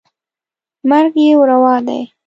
مرګ یې روا دی.